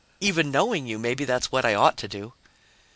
Even knowing you, maybe that's what I ought to do."